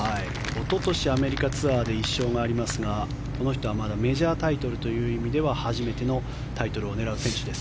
一昨年、アメリカツアーで１勝もありますがこの人はまだメジャータイトルという意味では初めてのタイトルを狙う選手。